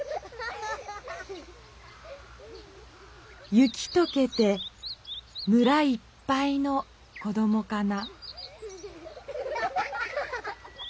「雪とけて村いっぱいの子どもかな」。